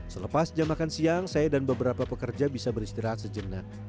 selepas jam makan siang saya dan beberapa pekerja bisa beristirahat sejenak